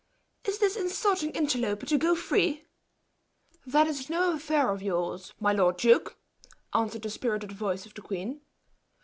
"Is this insulting interloper to go free?" "That is no affair of yours, my lord duke!" answered the spirited voice of the queen.